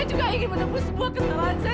saya juga ingin menembus semua kesalahan saya